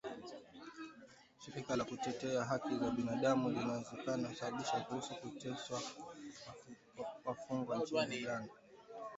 shirika la kutetea hakli za binadamu inaelezea wasiwasi kuhusu kuteswa wafungwa nchini Uganda